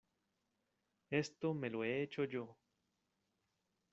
esto me lo he hecho yo.